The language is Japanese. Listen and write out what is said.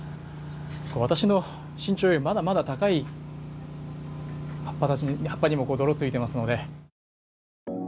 私の身長より、まだまだ高い葉っぱにも泥がついていますので。